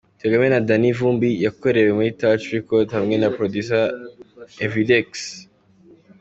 Kagame na Danny Vumbi yakorewe muri Touch Record hamwe na producer Evydecks.